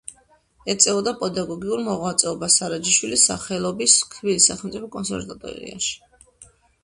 ეწეოდა პედაგოგიურ მოღვაწეობას სარაჯიშვილის სახელობის თბილისის სახელმწიფო კონსერვატორიაში.